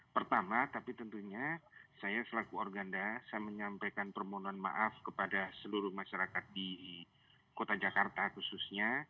pertama tapi tentunya saya selaku organda saya menyampaikan permohonan maaf kepada seluruh masyarakat di kota jakarta khususnya